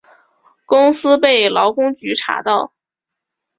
公司被劳工局查到